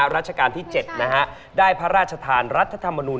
ราชการที่๗ได้พระราชทานรัฐธรรมนูล